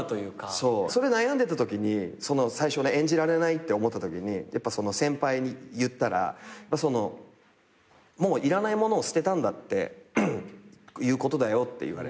それ悩んでたときに最初演じられないって思ったときに先輩に言ったら「もういらないものを捨てたんだっていうことだよ」って言われて。